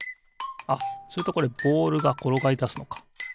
あっするとこれボールがころがりだすのか。